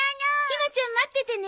ひまちゃん待っててね。